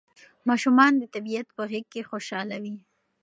ماشومان د طبیعت په غېږ کې خوشاله وي.